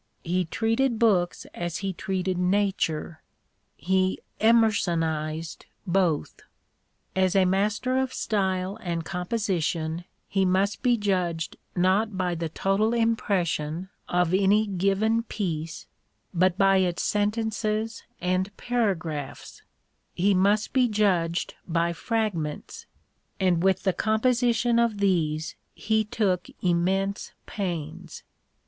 He treated books as he treated Nature, he Emersonised both. As a master of style and composition he must be judged not by the total impression of any given piece, but by its sentences and paragraphs : he must be judged by fragments. And with the composition of these he took immense pains.